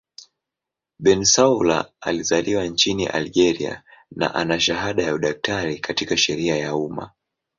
Bensaoula alizaliwa nchini Algeria na ana shahada ya udaktari katika sheria ya umma.